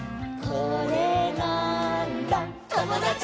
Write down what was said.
「これなーんだ『ともだち！』」